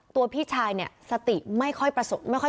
ตัวพี่ชายเนี่ยสติไม่ค่อย